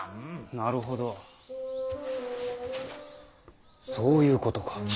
なるほどそういうことか。